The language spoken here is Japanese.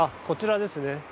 こちらですね。